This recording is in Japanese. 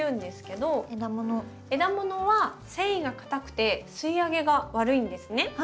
枝ものは繊維がかたくて吸いあげが悪いんですね。